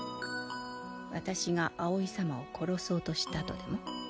私が葵様を殺そうとしたとでも？